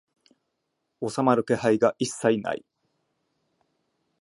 収まる気配が一切ない